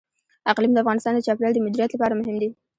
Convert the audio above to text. اقلیم د افغانستان د چاپیریال د مدیریت لپاره مهم دي.